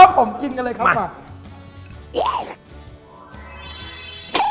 ครับผมกินกันเลยครับ